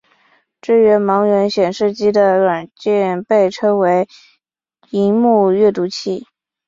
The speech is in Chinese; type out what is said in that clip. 支援盲文显示机的软件被称为萤幕阅读器。